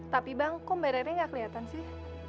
tapi bang kok mbak rere gak keliatan sih